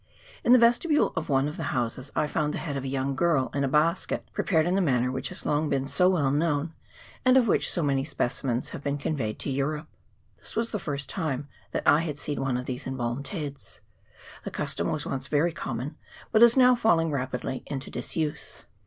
In the vestibule of one of the houses I found the head of a young girl in a basket, prepared in the manner which has long been so well known, and of which so many specimens have been conveyed to Europe. This was the first time that I had seen one of these embalmed heads. The custom was once very common, but is now falling rapidly into disuse.